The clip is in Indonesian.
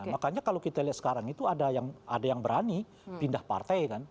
makanya kalau kita lihat sekarang itu ada yang berani pindah partai kan